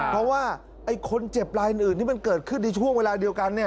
เพราะว่าไอ้คนเจ็บลายอื่นที่มันเกิดขึ้นในช่วงเวลาเดียวกัน